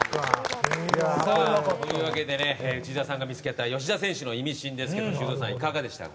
内田さんが見つけた吉田選手のイミシンですが修造さん、いかがでしたか？